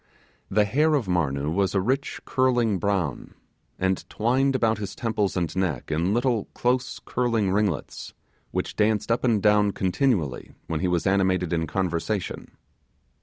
The hair of Marnoo was a rich curling brown, and twined about his temples and neck in little close curling ringlets, which danced up and down continually, when he was animated in conversation.